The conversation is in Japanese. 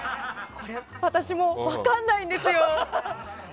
私も分からないんですよ。